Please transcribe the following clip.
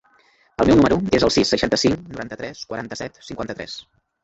El meu número es el sis, seixanta-cinc, noranta-tres, quaranta-set, cinquanta-tres.